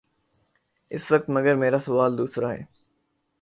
اس وقت مگر میرا سوال دوسرا ہے۔